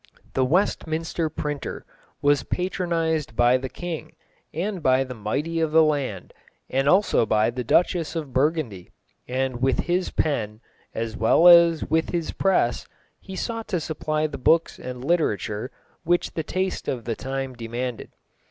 _)] The Westminster printer was patronised by the king and by the mighty of the land, and also by the Duchess of Burgundy, and with his pen, as well as with his press, he sought to supply the books and literature which the taste of the time demanded.